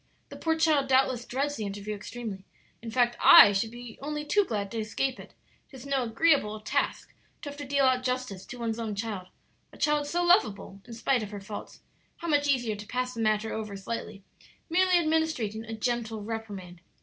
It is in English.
The poor child doubtless dreads the interview extremely; in fact, I should be only too glad to escape it; 'tis no agreeable task to have to deal out justice to one's own child a child so lovable, in spite of her faults. How much easier to pass the matter over slightly, merely administering a gentle reprimand!